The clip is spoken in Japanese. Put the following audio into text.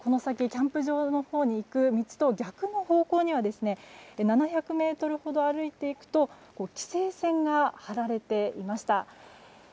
キャンプ場のほうに行く道と逆の方向に７００ｍほど歩いていくと規制線が張られていました。